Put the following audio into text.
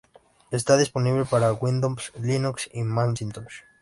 Está disponible para Windows, Linux y Macintosh.